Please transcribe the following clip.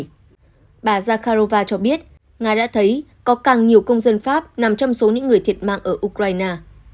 bà zakharova cho biết nga đã thấy có càng nhiều công dân pháp nằm trong số những người thiệt mạng ở ukraine